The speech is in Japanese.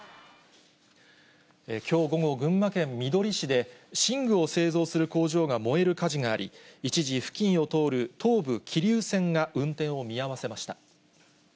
きょう午後、群馬県みどり市で、寝具を製造する工場が燃える火事があり、一時、付近を通る東武桐生線が運転を見合わせました。